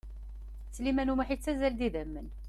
Sliman U Muḥ yettazzal d idamen.